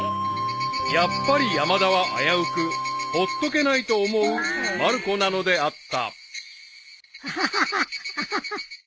［やっぱり山田は危うくほっとけないと思うまる子なのであった］